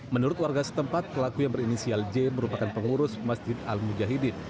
menurut warga setempat pelaku yang berinisial j merupakan pengurus masjid al mujahidin